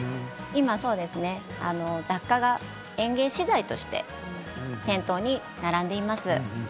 今は雑貨が園芸資材として店頭に並んでいます。